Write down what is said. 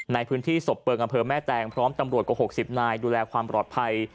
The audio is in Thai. ในพื้นที่ศพเปิงอำเภอแม่แตงพร้อมตำรวจกว่า๖๐นายดูแลความปลอดภัย